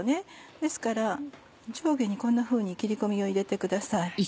ですから上下にこんなふうに切り込みを入れてください。